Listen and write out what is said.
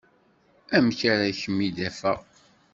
Amek ara kem-id-afeɣ?